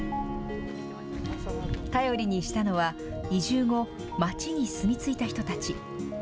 頼りにしたのは移住後、町に住み着いた人たち。